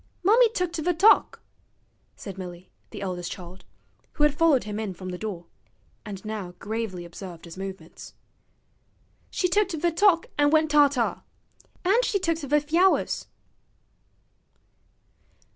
'Mummy tooked ve t'ock,' said Milly, the eldest child, who had followed him in from the door, and now gravely observed his movements. 'She tooked ve t'ock an' went ta ta. An' she tooked ve fyowers.'